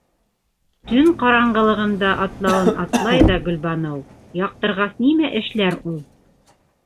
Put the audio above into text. Төн ҡараңғылығында атлауын атлай ҙа Гөлбаныу, яҡтырғас нимә эшләр ул?